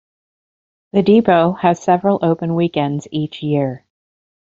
The depot has several open weekends each year.